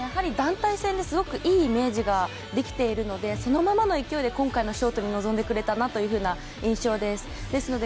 団体戦ですごくいいイメージができているので、そのままの勢いで今回のショートに臨んでくれたなという印象です。